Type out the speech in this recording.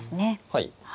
はい。